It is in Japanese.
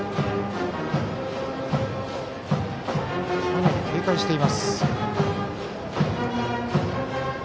かなり警戒しています。